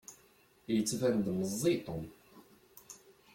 Yettban-d meẓẓi Tom.